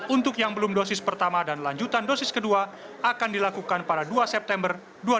untuk yang belum dosis pertama dan lanjutan dosis kedua akan dilakukan pada dua september dua ribu dua puluh